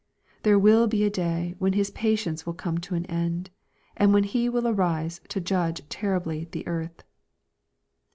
There will be a day when His patience will come to an end, and when He will arise to judge terribly the earth.